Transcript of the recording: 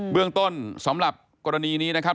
เรื่องต้นสำหรับกรณีนี้นะครับ